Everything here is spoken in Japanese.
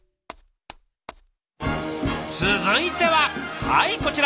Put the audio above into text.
続いてははいこちら。